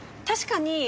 確かに。